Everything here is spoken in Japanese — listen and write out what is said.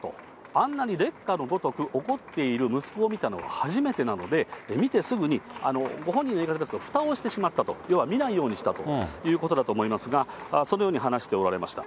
あんなに烈火のごとく怒っている息子を見たのは初めてなので、見てすぐにご本人の言い方ですけど、ふたをしてしまったと、要は見ないようにしたということだと思いますが、そのように話しておられました。